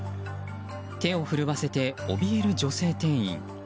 手を震わせて、おびえる女性店員。